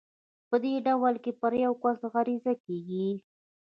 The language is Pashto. په دې ډول کې پر يو کس عريضه کېږي.